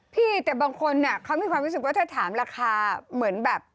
พี่แต่บางคนเขามีความรู้สึกว่าถ้าถามราคาเหมือนแบบ